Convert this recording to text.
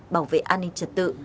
bảo vệ an ninh trật tự